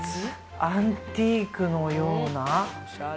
アンティークのような。